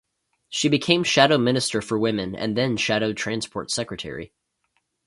She became Shadow Minister for Women, and then Shadow Transport Secretary.